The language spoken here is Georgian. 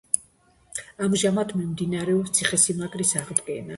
ამჟამად მიმდინარეობს ციხესიმაგრის აღდგენა.